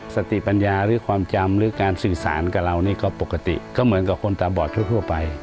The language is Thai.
สติปัญญาหรือความจำหรือการสื่อสารกับเรานี่ก็ปกติก็เหมือนกับคนตาบอดทั่วไป